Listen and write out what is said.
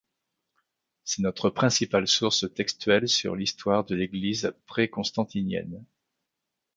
C'est notre principale source textuelle sur l'histoire de l'Église pré-constantinienne.